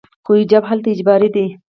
خو حجاب هلته اجباري دی.